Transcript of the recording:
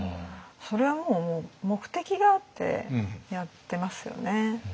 それはもう目的があってやってますよね。